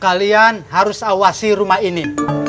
kalian harus awasi rumah ini